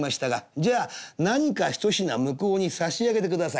じゃあ何か一品向こうに差し上げて下さい。